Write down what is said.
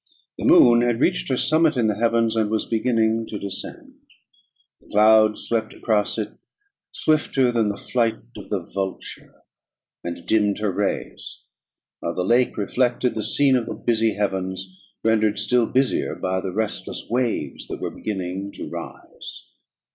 The moon had reached her summit in the heavens, and was beginning to descend; the clouds swept across it swifter than the flight of the vulture, and dimmed her rays, while the lake reflected the scene of the busy heavens, rendered still busier by the restless waves that were beginning to rise.